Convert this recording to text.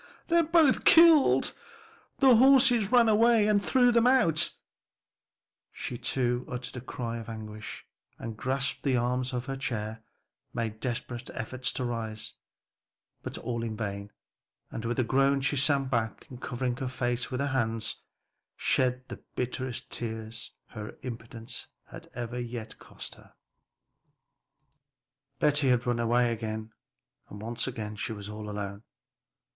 they're both killed; the horses ran away and threw 'em out," she too uttered a cry of anguish, and grasping the arms of her chair, made desperate efforts to rise; but all in vain, and with a groan she sank back, and covering her face with her hands, shed the bitterest tears her impotence had ever yet cost her. Betty had run away again, and she was all alone.